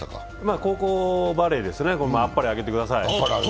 高校ばれーですねあっぱれあげてください。